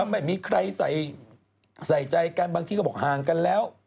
ไม่มีใครใส่ใจกันบางทีก็บอกห่างกันแล้ว